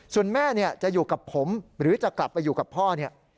ส่วนแม่จะอยู่กับผมหรือจะกลับไปอยู่กับพ่อเนี่ย